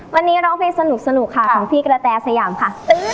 วันนี้ร้องเพลงสนุกค่ะของพี่กระแตสยามค่ะ